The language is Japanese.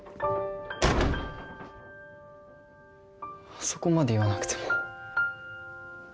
あそこまで言わなくても。